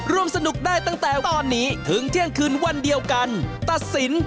ร่วมสนุกได้ตั้งแต่ตอนนี้ถึงเที่ยงคืนวันเดียวกันตัดสิน